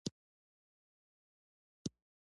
ازادي راډیو د د ښځو حقونه د نړیوالو نهادونو دریځ شریک کړی.